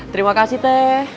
terima kasih teh